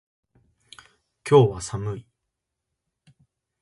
今日は寒い